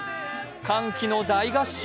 歓喜の大合唱。